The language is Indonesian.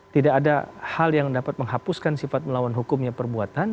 tidak ada hal yang dapat menghapuskan sifat melawan hukumnya perbuatan